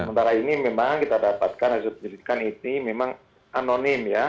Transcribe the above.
sementara ini memang kita dapatkan dan disediakan ite memang anonim ya